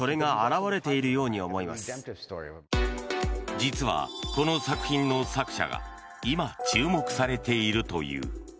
実はこの作品の作者が今、注目されているという。